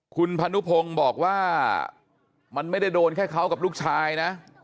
คุณพนุพงศ์บอกว่ามันไม่ได้โดนแค่เขากับลูกชายนะ